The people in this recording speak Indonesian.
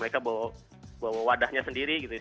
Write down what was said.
mereka bawa wadahnya sendiri gitu ya